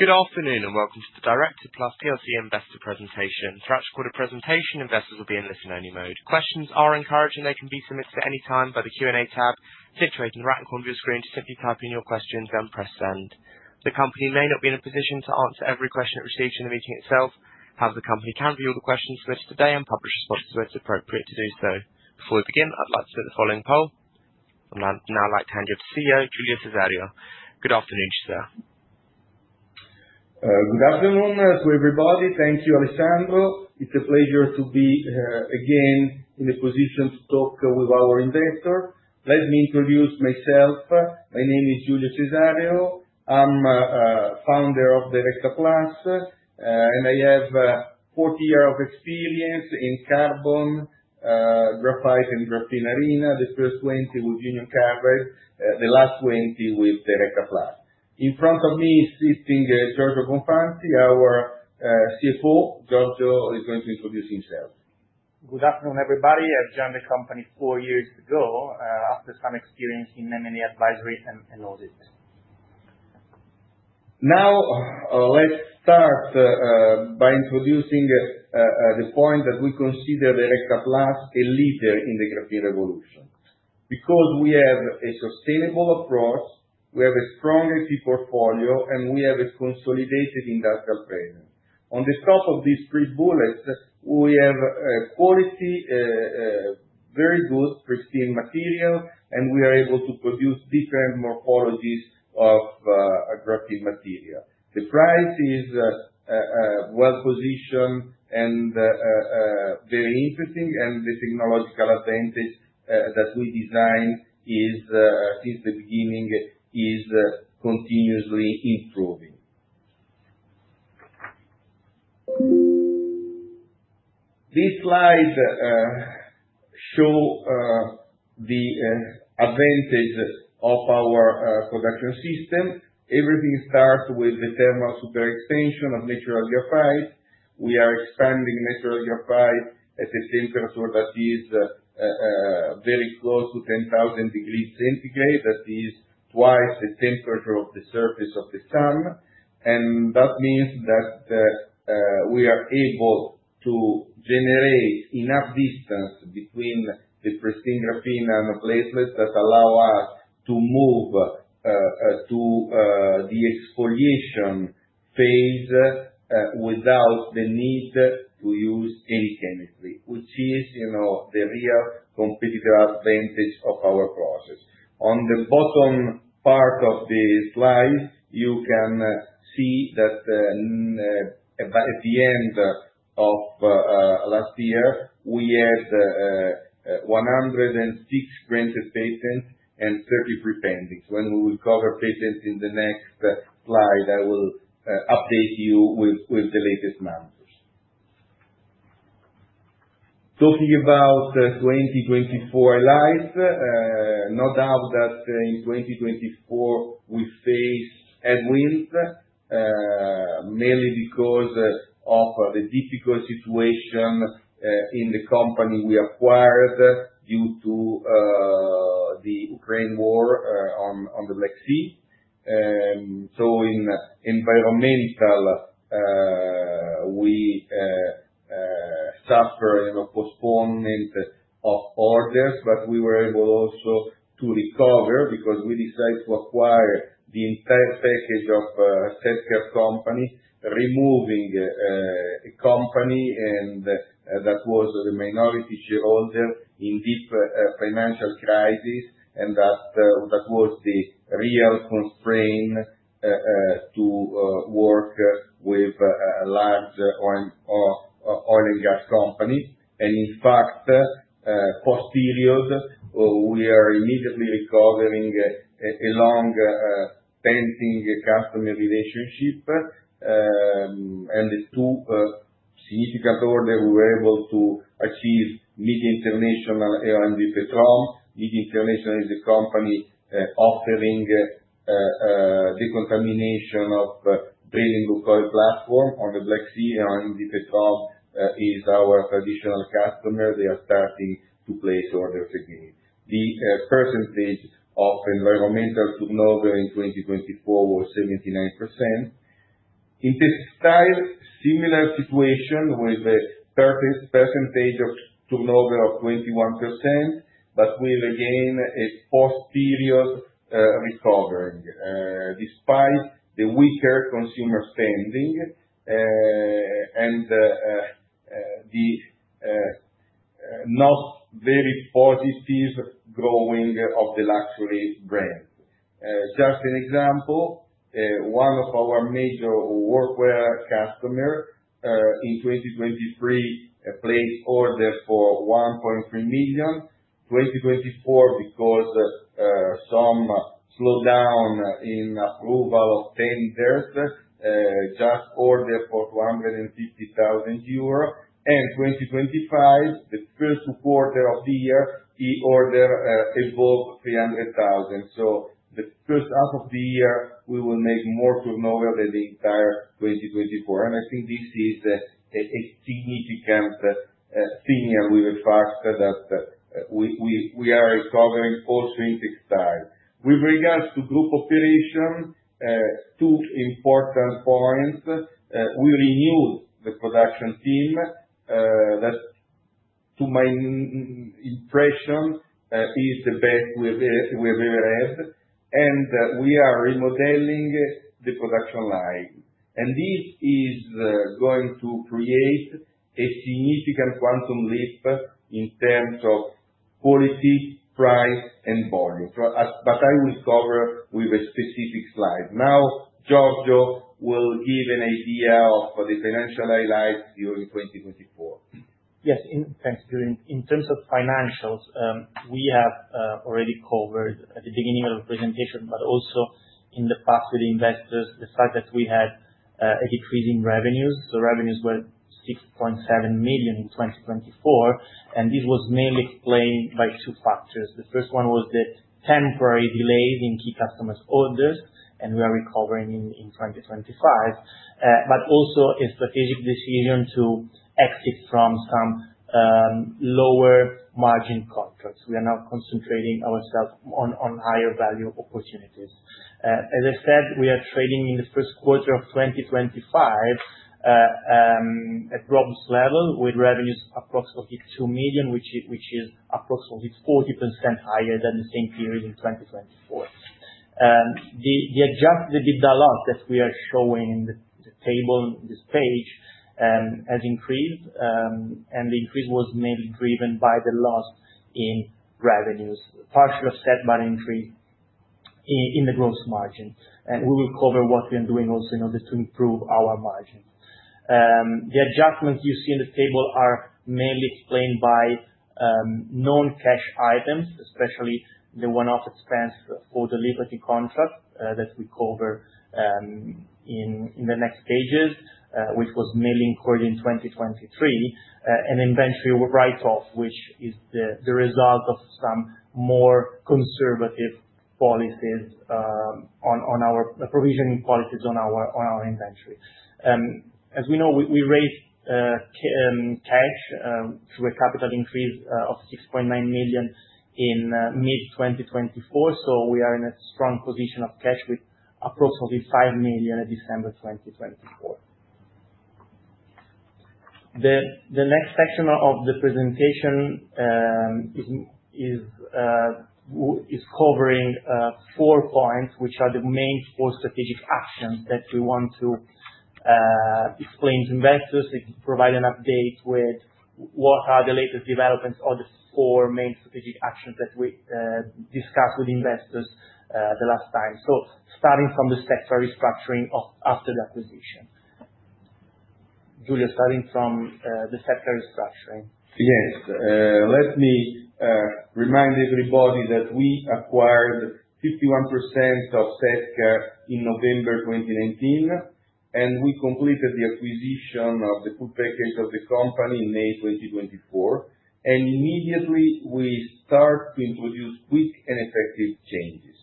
Good afternoon and welcome to the Directa Plus PLC investor presentation. Throughout the quarter presentation, investors will be in listen-only mode. Questions are encouraged, and they can be submitted at any time by the Q&A tab situated in the right corner of your screen. Simply type in your questions then press send. The company may not be in a position to answer every question it receives during the meeting itself. However, the company can review the questions listed today and publish responses where it's appropriate to do so. Before we begin, I'd like to run the following poll. I'd now like to hand you to CEO, Giulio Cesareo. Good afternoon, sir. Good afternoon to everybody. Thank you, Alessandro. It's a pleasure to be again in a position to talk with our investor. Let me introduce myself. My name is Giulio Cesareo. I'm founder of Directa Plus. I have 40 years of experience in carbon, graphite and graphene arena. The first 20 with Union Carbide, the last 20 with Directa Plus. In front of me sitting Giorgio Bonfanti, our CFO. Giorgio is going to introduce himself. Good afternoon, everybody. I've joined the company four years ago, after some experience in M&A advisory and audit. Let's start by introducing the point that we consider Directa Plus a leader in the graphene revolution. We have a sustainable approach, we have a strong IP portfolio, and we have a consolidated industrial presence. On the top of these three bullets, we have a quality very good pristine material, and we are able to produce different morphologies of graphene material. The price is well-positioned and very interesting, and the technological advantage that we designed is since the beginning is continuously improving. This slide show the advantage of our production system. Everything starts with the thermal super-expansion of natural graphite. We are expanding natural graphite at a temperature that is very close to 10,000 degrees centigrade. That is twice the temperature of the surface of the sun. That means that we are able to generate enough distance between the pristine graphene nanoplates that allow us to move to the exfoliation phase without the need to use any chemistry, which is, you know, the real competitive advantage of our process. On the bottom part of the slide, you can see that by the end of last year, we had 106 granted patents and 30 pending. When we will cover patents in the next slide, I will update you with the latest numbers. Talking about 2024 highlights, no doubt that in 2024 we faced headwinds, mainly because of the difficult situation in the company we acquired due to the Ukraine war on the Black Sea. In environmental, we suffer, you know, postponement of orders. We were able also to recover because we decided to acquire the entire package of Setcar company, removing a company and that was the minority shareholder in deep financial crisis, and that was the real constraint to work with large oil and gas company. In fact, posterior, we are immediately recovering a long pending customer relationship. The two significant order we were able to achieve, Midia International SA and OMV Petrom. Midia International SA is a company offering decontamination of drilling oil platform on the Black Sea, and OMV Petrom is our traditional customer. They are starting to place orders again. The percentage of environmental turnover in 2024 was 79%. In textile, similar situation with a percentage of turnover of 21%. We've again, a posterior recovery, despite the weaker consumer spending, and the not very positive growing of the luxury brand. Just an example, one of our major workwear customer in 2023, placed order for 1.3 million. 2024, because some slowdown in approval of tenders, just ordered for 250,000 euro. 2025, the first quarter of the year, he order above 300,000. The first half of the year, we will make more turnover than the entire 2024. I think this is a significant thing, and we are fact that we are recovering also in textile. With regards to group operation, two important points. We renewed the production team, that, to my impression, is the best we've ever had. We are remodeling the production line. This is going to create a significant quantum leap in terms of quality, price, and volume. I will cover with a specific slide. Giorgio will give an idea of the financial highlights during 2024. Yes. Thanks, Giulio. In terms of financials, we have already covered at the beginning of the presentation, but also in the past with the investors, the fact that we had a decrease in revenues. The revenues were 6.7 million in 2024. This was mainly explained by two factors. The first one was the temporary delay in key customers' orders, and we are recovering in 2025. Also a strategic decision to exit from some lower margin contracts. We are now concentrating ourselves on higher value opportunities. As I said, we are trading in the first quarter of 2025, at inaudible level with revenues approximately 2 million, which is approximately 40% higher than the same period in 2024. The EBITDA loss that we are showing in the table, this page, has increased, and the increase was mainly driven by the loss in revenues, partially offset by an increase in the gross margin. We will cover what we are doing also in order to improve our margins. The adjustments you see in the table are mainly explained by known cash items, especially the one-off expense for the Liberty contract that we cover in the next pages. Which was mainly incurred in 2023. And inventory write-off, which is the result of some more conservative policies provisioning policies on our inventory. As we know, we raised cash through a capital increase of 6.9 million in mid-2024. We are in a strong position of cash with approximately 5 million at December 2024. The next section of the presentation is covering four points, which are the main four strategic actions that we want to explain to investors, it provide an update with what are the latest developments or the four main strategic actions that we discussed with investors the last time. Starting from the Setcar restructuring after the acquisition. Giulio, starting from the Setcar restructuring. Yes. Let me remind everybody that we acquired 51% of Setcar in November 2019. We completed the acquisition of the full package of the company in May 2024. Immediately, we start to introduce quick and effective changes.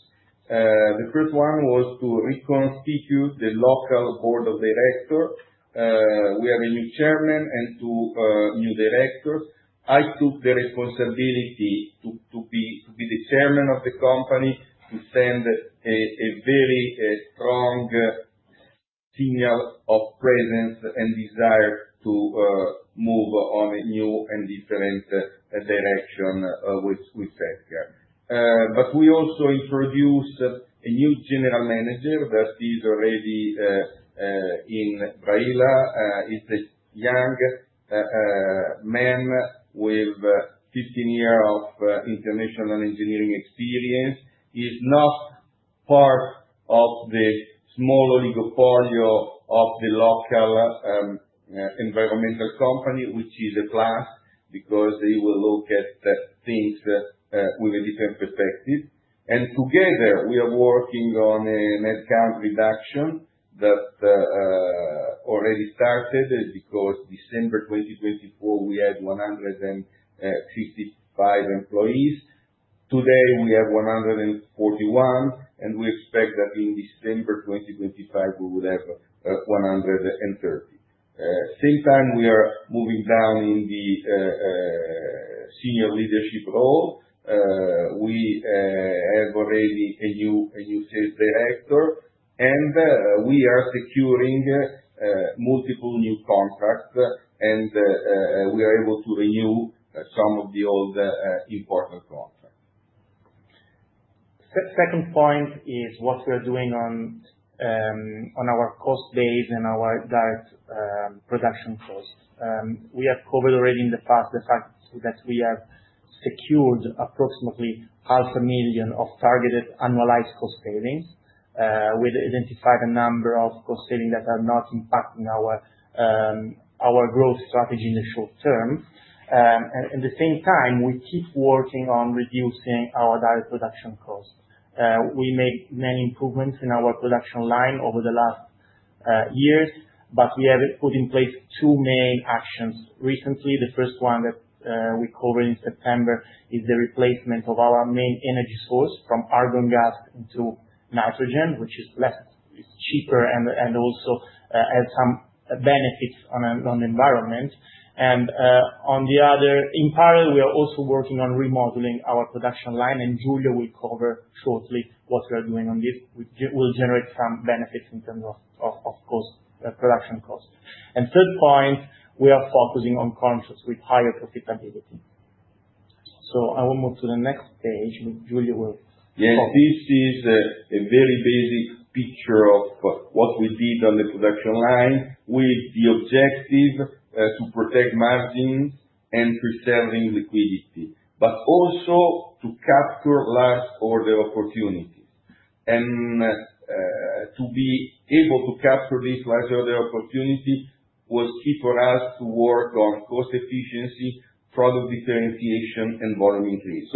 The first one was to reconstitute the local board of director. We have a new chairman and 2 new directors. I took the responsibility to be the chairman of the company, to send a very strong signal of presence and desire to move on a new and different direction with Setcar. We also introduced a new general manager that is already in Braila. He's a young man with 15 year of international engineering experience. He's not part of the small oligopoly of the local environmental company, which is a plus, because he will look at things with a different perspective. Together, we are working on a head count reduction that already started because December 2024, we had 165 employees. Today we have 141, and we expect that in December 2025, we will have 130. Same time, we are moving down in the senior leadership role. We have already a new sales director, and we are securing multiple new contracts and we are able to renew some of the old important contracts. Second point is what we are doing on our cost base and our direct production costs. We have covered already in the past the fact that we have secured approximately half a million EUR of targeted annualized cost savings. We've identified a number of cost saving that are not impacting our growth strategy in the short term. At the same time, we keep working on reducing our direct production costs. We made many improvements in our production line over the last years. We have put in place two main actions recently. The first one that we covered in September is the replacement of our main energy source from argon gas into nitrogen, which is It's cheaper and also has some benefits on the environment. In parallel, we are also working on remodeling our production line, and Giulio will cover shortly what we are doing on this. We'll generate some benefits in terms of cost, production costs. Third point, we are focusing on contracts with higher profitability. I will move to the next page, and Giulio will cover. Yeah, this is a very basic picture of what we did on the production line with the objective to protect margins and preserving liquidity, also to capture large order opportunities. To be able to capture these large order opportunities was key for us to work on cost efficiency, product differentiation, and volume increase.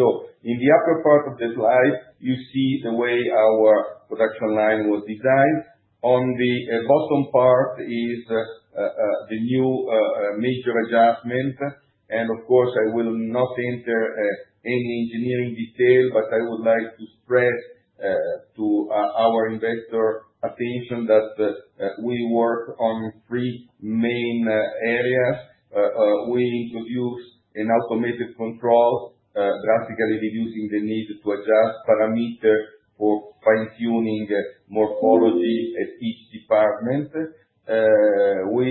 In the upper part of the slide, you see the way our production line was designed. On the bottom part is the new major adjustment. Of course, I will not enter any engineering detail, but I would like to stress to our investor attention that we work on three main areas. We introduced an automated control drastically reducing the need to adjust parameter for fine tuning morphology at each department. We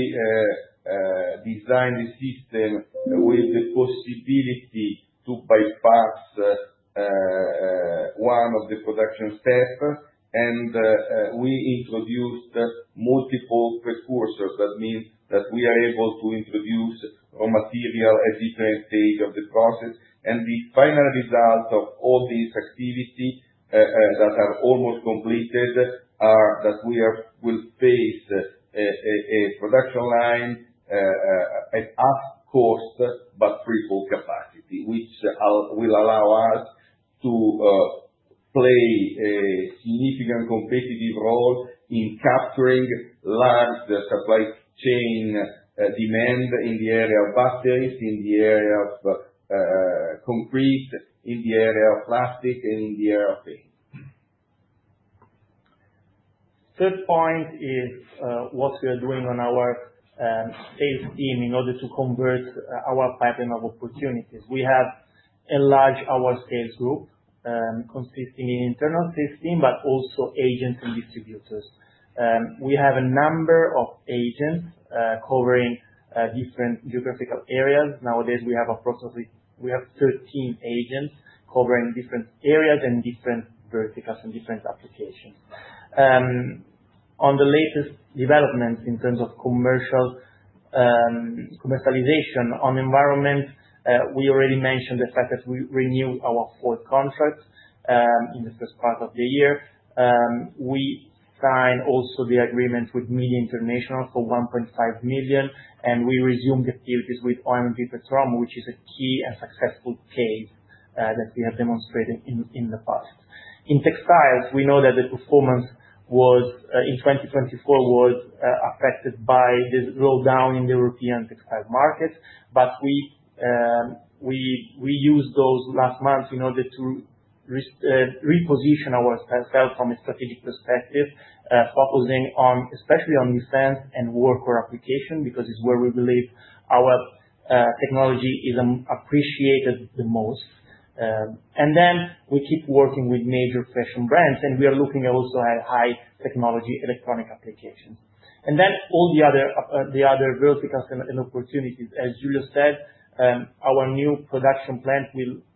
designed the system with the possibility to bypass one of the production step. We introduced multiple precursors. That means that we are able to introduce a material at different stage of the process. The final result of all these activity that are almost completed, are that we will face a production line at half cost but triple capacity, which will allow us to play a significant competitive role in capturing large supply chain demand in the area of batteries, in the area of concrete, in the area of plastic, and in the area of paint. Third point is what we are doing on our sales team in order to convert our pipeline of opportunities. We have enlarged our sales group, consisting in internal sales team, but also agents and distributors. We have a number of agents covering different geographical areas. Nowadays, we have approximately 13 agents covering different areas and different verticals and different applications. On the latest developments in terms of commercial commercialization on environment, we already mentioned the fact that we renewed our fourth contract in the first part of the year. We signed also the agreement with Midia International SA for 1.5 million. We resumed activities with OMV Petrom, which is a key and successful case that we have demonstrated in the past. In textiles, we know that the performance was in 2024 was affected by the slowdown in the European textile market. We used those last months in order to reposition ourselves from a strategic perspective, focusing on, especially on new trends and workwear application, because it's where we believe our technology is appreciated the most. We keep working with major fashion brands, and we are looking also at high technology electronic applications. All the other verticals and opportunities. As Giulio said, our new production plant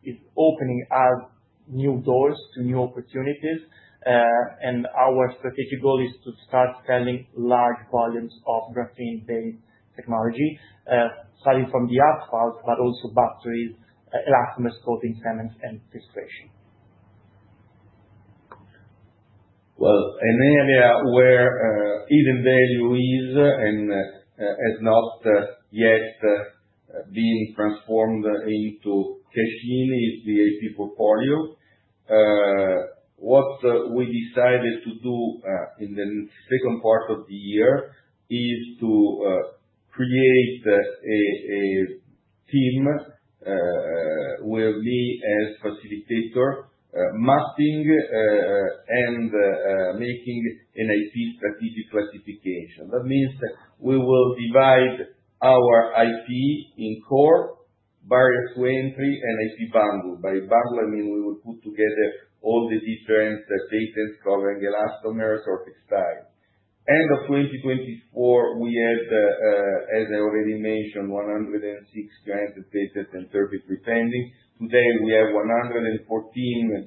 is opening up new doors to new opportunities. Our strategic goal is to start selling large volumes of graphene-based technology, starting from the asphalt, but also batteries, elastomers, coating cements and filtration. An area where hidden value is and has not yet been transformed into cash in is the IP portfolio. What we decided to do in the second part of the year is to create a team with me as facilitator, mapping and making an IP strategic classification. That means we will divide our IP in core, barrier to entry, and IP bundle. By bundle, I mean we will put together all the different patents covering elastomers or textiles. End of 2024, we had, as I already mentioned, 106 granted patents and 33 pending. Today, we have 114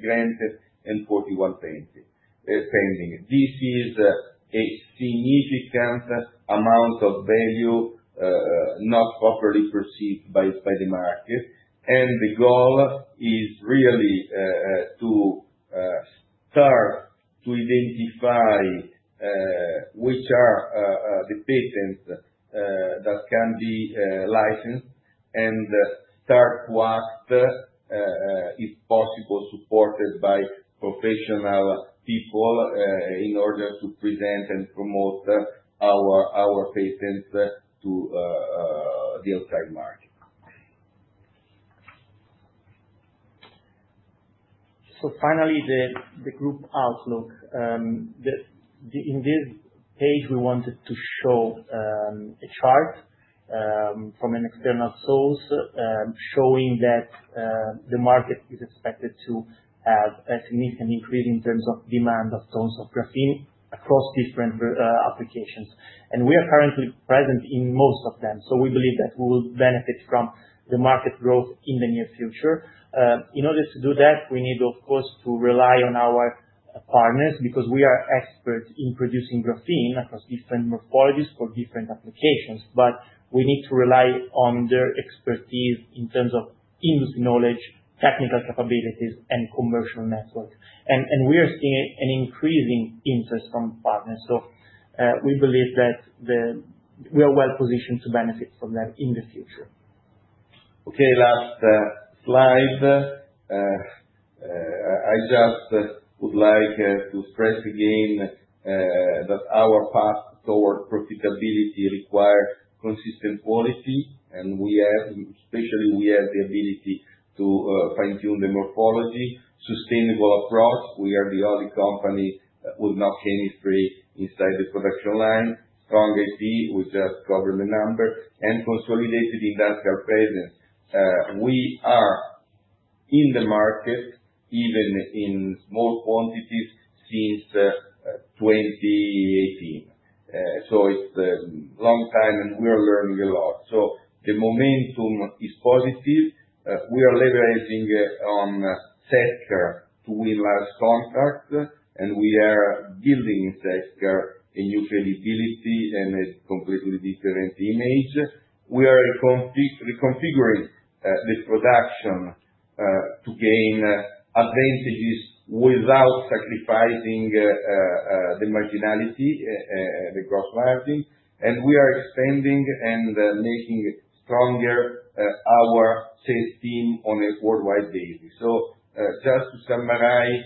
granted and 41 pending. This is a significant amount of value not properly perceived by the market. The goal is really to start to identify which are the patents that can be licensed and start to act, if possible, supported by professional people, in order to present and promote our patents to the outside market. Finally, the group outlook. In this page, we wanted to show a chart from an external source, showing that the market is expected to have a significant increase in terms of demand of tons of graphene across different applications. We are currently present in most of them. We believe that we will benefit from the market growth in the near future. In order to do that, we need, of course, to rely on our partners, because we are experts in producing graphene across different morphologies for different applications. We need to rely on their expertise in terms of knowledge, technical capabilities, and commercial networks. We are seeing an increasing interest from partners, we believe that we are well positioned to benefit from that in the future. Okay. Last slide. I just would like to stress again that our path toward profitability requires consistent quality. We have, especially, we have the ability to fine-tune the morphology. Sustainable across. We are the only company with no chemistry inside the production line. Strong IP, we just covered the number. Consolidated industrial presence. We are in the market, even in small quantities, since 2018. It's a long time, and we are learning a lot. The momentum is positive. We are leveraging it on Setcar to win large contracts, and we are building Setcar a new credibility and a completely different image. We are reconfiguring the production to gain advantages without sacrificing the marginality, the gross margin. We are expanding and making stronger our sales team on a worldwide basis. Just to summarize,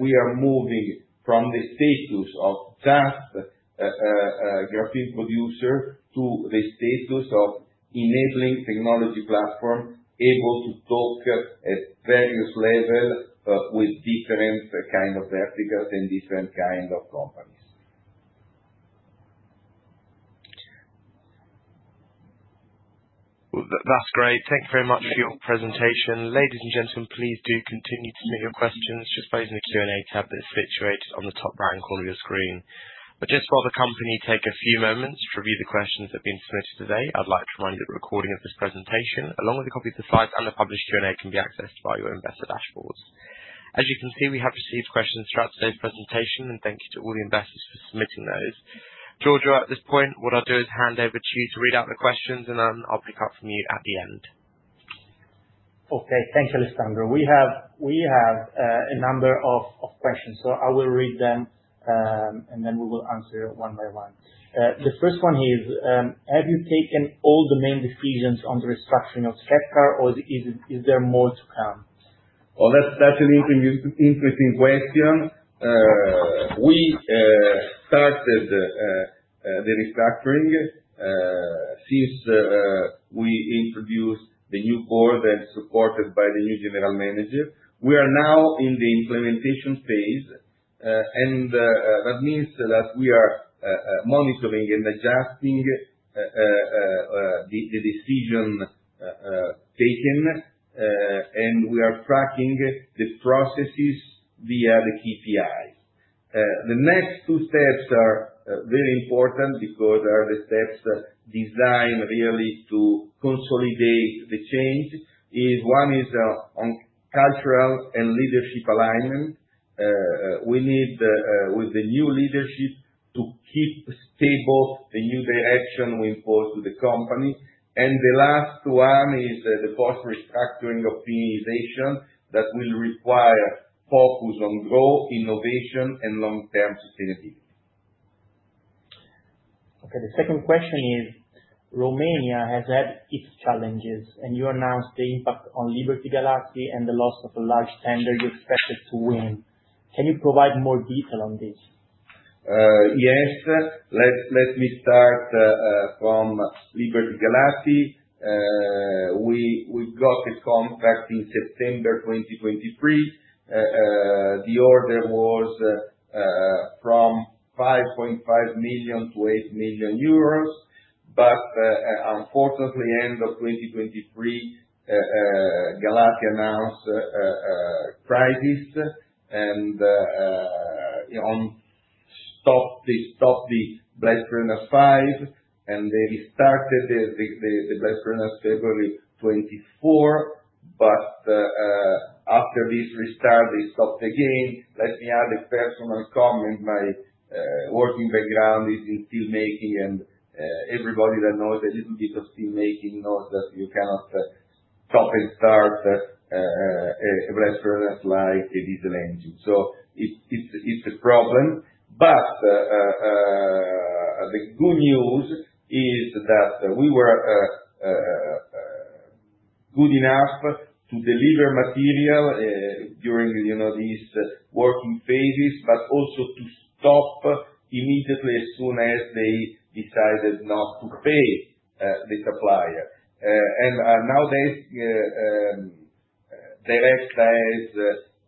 we are moving from the status of just a graphene producer to the status of enabling technology platform, able to talk at various levels, with different kind of verticals and different kind of companies. Well, that's great. Thank you very much for your presentation. Ladies and gentlemen, please do continue to submit your questions just by using the Q&A tab that is situated on the top right-hand corner of your screen. Just while the company take a few moments to review the questions that have been submitted today, I'd like to remind you that the recording of this presentation, along with a copy of the slides and the published Q&A, can be accessed via your investor dashboards. As you can see, we have received questions throughout today's presentation. Thank you to all the investors for submitting those. Giorgio, at this point, what I'll do is hand over to you to read out the questions. Then I'll pick up from you at the end. Okay. Thank you, Alessandro. We have a number of questions, so I will read them, and then we will answer one by one. The first one is, have you taken all the main decisions on the restructuring of Setcar, or is there more to come? Well, that's such an interesting question. We started the restructuring since we introduced the new board and supported by the new general manager. We are now in the implementation phase. That means that we are monitoring and adjusting the decision taken. We are tracking the processes via the KPIs. The next two steps are very important because they are the steps designed really to consolidate the change. One is on cultural and leadership alignment. We need with the new leadership to keep stable the new direction we impose to the company. The last one is the post-restructuring optimization that will require focus on growth, innovation and long-term sustainability. Okay, the second question is, Romania has had its challenges, and you announced the impact on Liberty Galati and the loss of a large tender you expected to win. Can you provide more detail on this? Yes. Let me start from Liberty Galati. We got a contract in September 2023. The order was from 5.5 million-8 million euros. Unfortunately, end of 2023, Galati announced a crisis. Stopped the Blast Furnace 5, and they restarted the blast furnace February 2024. After this restart, they stopped again. Let me add a personal comment. My working background is in steelmaking and everybody that knows a little bit of steelmaking knows that you cannot stop and start a blast furnace like a diesel engine. It's a problem. The good news is that we were good enough to deliver material during, you know, these working phases, but also to stop immediately as soon as they decided not to pay the supplier. Now they have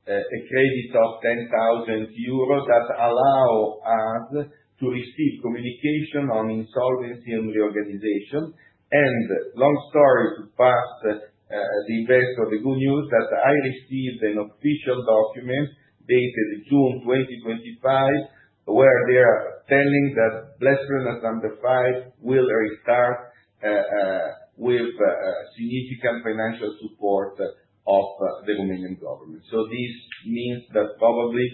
a credit of 10,000 euros that allow us to receive communication on insolvency and reorganization. Long story short, the best or the good news that I received an official document dated June 2025, where they are telling that Blast Furnace 5 will restart with significant financial support of the Romanian government. This means that probably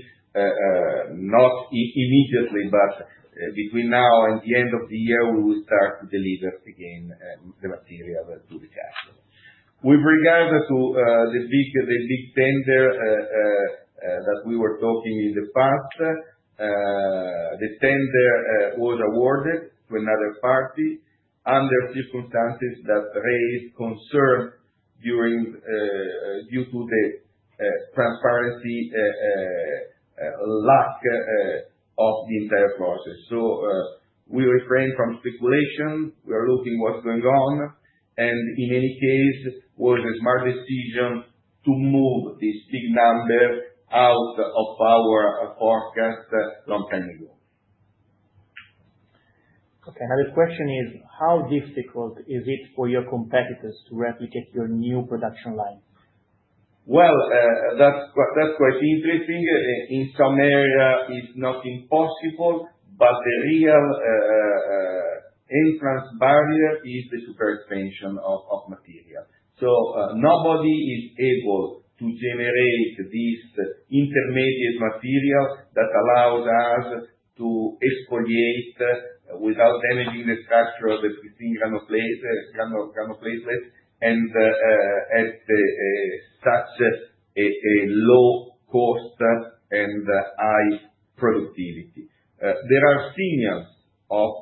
not immediately, but between now and the end of the year, we will start to deliver again the material to the customer. With regard to the big, the big tender that we were talking in the past, the tender was awarded to another party under circumstances that raised concern due to the transparency lack of the entire process. So, we refrain from speculation. We are looking what's going on, and in any case, it was a smart decision to move this big number out of our forecast long time ago. Another question is, how difficult is it for your competitors to replicate your new production line? Well, that's quite interesting. In some area, it's not impossible, but the real entrance barrier is the thermal expansion of material. Nobody is able to generate this intermediate material that allows us to exfoliate without damaging the structure of the inaudible, and at such a low cost and high productivity. There are signals of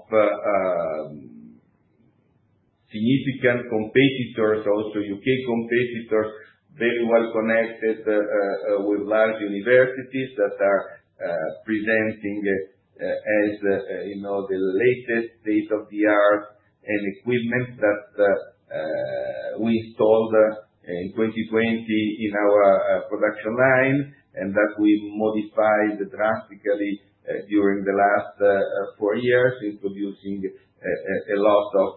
significant competitors, also UK competitors, very well connected with large universities that are presenting as, you know, the latest state of the art and equipment that we installed in 2020 in our production line, and that we modified drastically during the last 4 years, introducing a lot of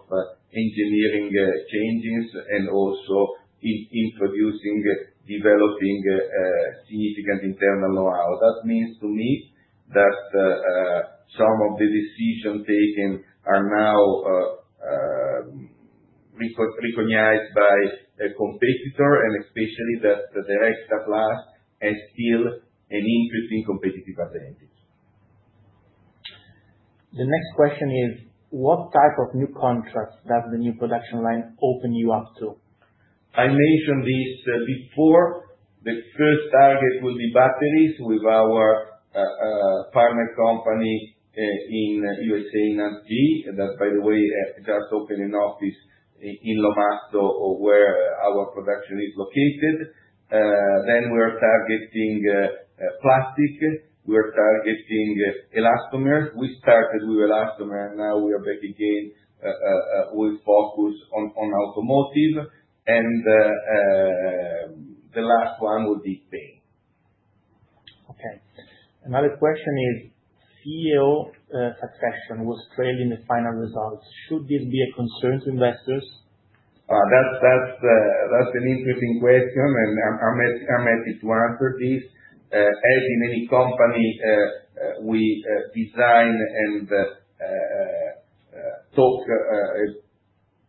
engineering changes and also introducing, developing significant internal knowhow. That means to me that some of the decisions taken are now recognized by a competitor, and especially that the inaudible has still an interesting competitive advantage. The next question is, what type of new contracts does the new production line open you up to? I mentioned this before. The first target will be batteries with our partner company in USA, in inaudible. That by the way, just opened an office in Lomazzo where our production is located. We are targeting plastic. We are targeting elastomer. We started with elastomer, now we are back again with focus on automotive and the last one would be paint. Another question is CEO succession was trailing the final results. Should this be a concern to investors? That's an interesting question, and I'm happy to answer this. As in any company, we design and talk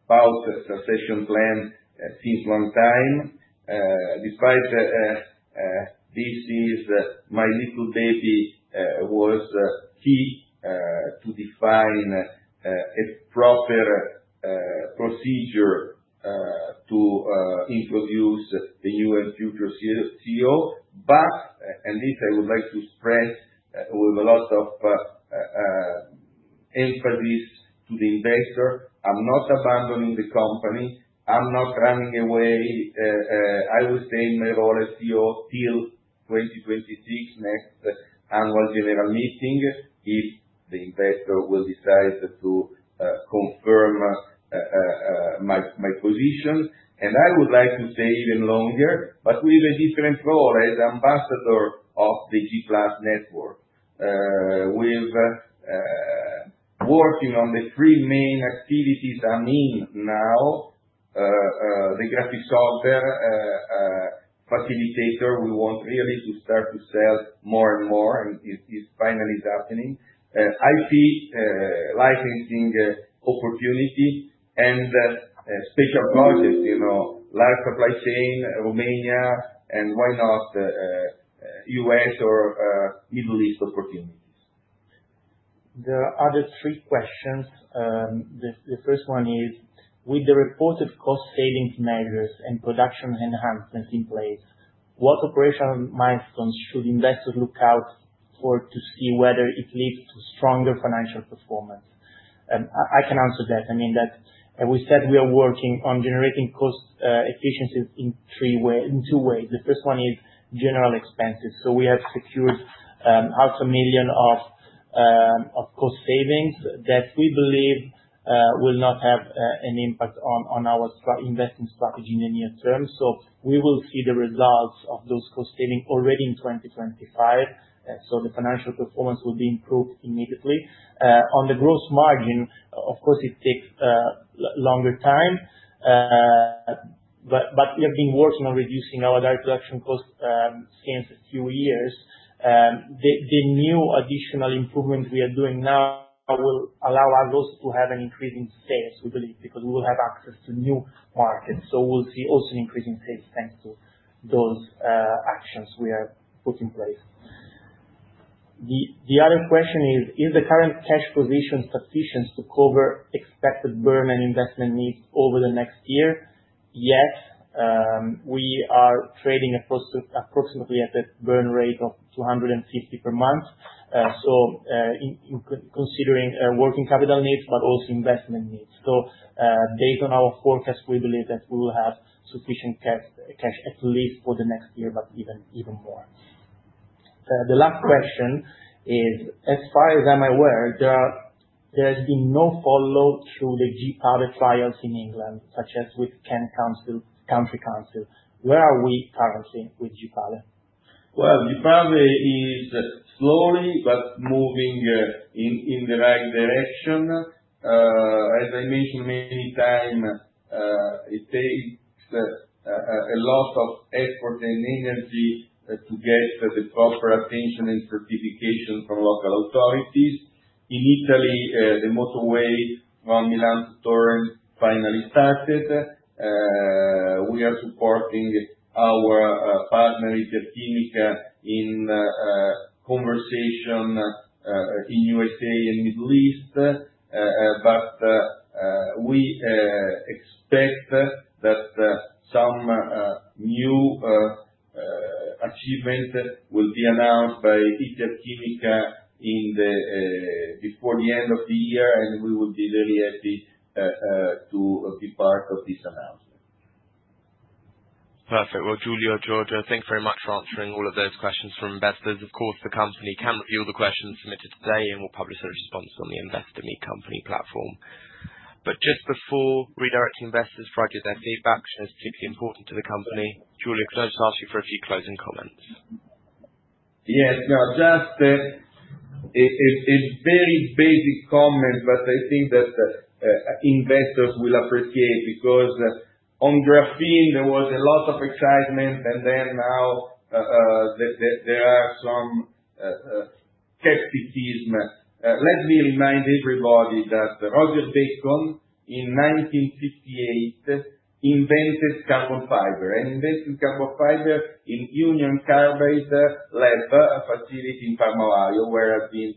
about succession plan since long time. Despite this is my little baby, was key to define a proper procedure to introduce the new and future CEO. This I would like to stress with a lot of emphasis to the investor, I'm not abandoning the company. I'm not running away. I will stay in my role as CEO till 2026, next annual general meeting, if the investor will decide to confirm my position. I would like to stay even longer, but with a different role as ambassador of the G-Class network. With working on the three main activities I'm in now. The Grafysorber facilitator, we want really to start to sell more and more. It is finally happening. IP licensing opportunity and special projects, you know, like supply chain, Romania, and why not US or Middle East opportunities. There are other three questions. The first one is, with the reported cost savings measures and production enhancements in place, what operational milestones should investors look out for to see whether it leads to stronger financial performance? I can answer that. I mean that we said we are working on generating cost efficiencies in two ways. The first one is general expenses. We have secured half a million EUR of cost savings that we believe will not have an impact on our investment strategy in the near term. We will see the results of those cost saving already in 2025. The financial performance will be improved immediately. On the gross margin, of course it takes longer time. We have been working on reducing our direct production costs since a few years. The new additional improvements we are doing now will allow us to have an increasing sales, we believe, because we will have access to new markets. We'll see also increasing sales thanks to those actions we have put in place. The other question is, "Is the current cash position sufficient to cover expected burn and investment needs over the next year?" Yes, we are trading at a burn rate of 250 per month. In considering our working capital needs but also investment needs. Based on our forecast, we believe that we will have sufficient cash at least for the next year, but even more. The last question is, "As far as I'm aware, there has been no follow through the Gipave trials in England, such as with Kent County Council. Where are we currently with Gipave? Well, Gipave is slowly but moving in the right direction. As I mentioned many times, it takes a lot of effort and energy to get the proper attention and certification from local authorities. In Italy, the motorway from Milan to Turin finally started. We are supporting our partner, Iterchimica, in conversation in USA and Middle East. We expect that some new achievement will be announced by Iterchimica in the before the end of the year, and we will be very happy to be part of this announcement. Perfect. Well, Giulio, Giorgio, thanks very much for answering all of those questions from investors. Of course, the company can review the questions submitted today and will publish a response on the Investor Meet Company platform. Just before redirecting investors prior to their feedback, as it's typically important to the company, Giulio, can I just ask you for a few closing comments? Yes. No, just a very basic comment, but I think that investors will appreciate, because on graphene there was a lot of excitement and then now there are some skepticism. Let me remind everybody that Roger Bacon in 1958 invented carbon fiber and invented carbon fiber in Union Carbide lab, a facility in Parma, Italy, where I've been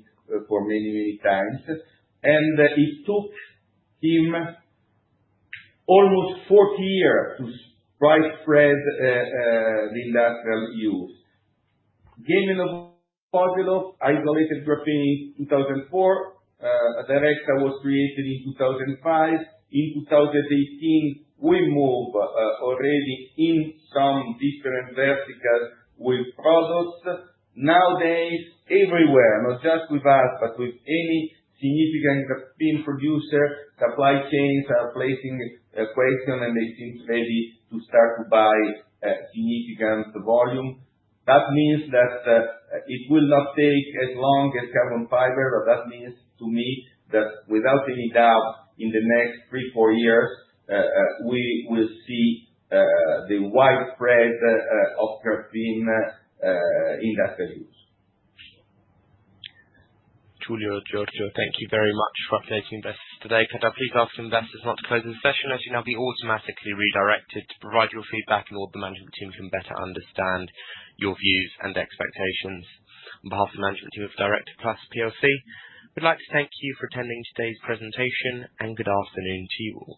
for many, many times. It took him almost 40 years to widespread the industrial use. Geim and Novoselov isolated graphene in 2004. Directa was created in 2005. In 2018, we move already in some different verticals with products. Nowadays, everywhere, not just with us, but with any significant graphene producer, supply chains are placing a question, and they seem ready to start to buy, significant volume. That means that, it will not take as long as carbon fiber. That means to me that without any doubt, in the next three, four years, we will see, the widespread, of graphene, industrial use. Giulio, Giorgio, thank you very much for updating investors today. Can I please ask investors now to close the session, as you'll now be automatically redirected to provide your feedback and all the management team can better understand your views and expectations. On behalf of the management team of Directa Plus PLC, we'd like to thank you for attending today's presentation and good afternoon to you all.